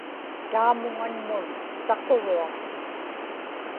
taamuŋanmun saquruaq